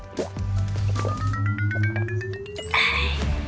เหมือนกัน